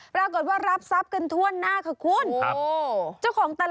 ปรากฏว่ารับทราบกันถ้วนหน้าค่ะคุณ